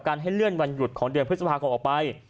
ให้เลื่อนวันหยุดของเดือนพฤษภาคมออกไป